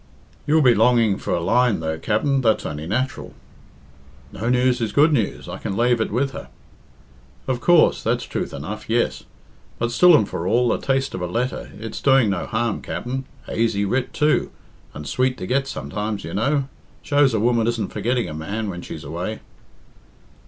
"You'll be longing for a line, though, Capt'n that's only natural." "No news is good news I can lave it with her." "Of coorse, that's truth enough, yes! But still and for all, a taste of a letter it's doing no harm, Capt'n aisy writ, too, and sweet to get sometimes, you know shows a woman isn't forgetting a man when she's away."